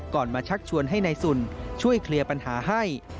มาชักชวนให้นายสุนช่วยเคลียร์ปัญหาให้